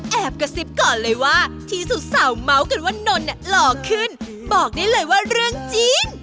แอบกระซิบก่อนเลยว่าที่สุดสาวเมาส์กันว่านนหล่อขึ้นบอกได้เลยว่าเรื่องจริง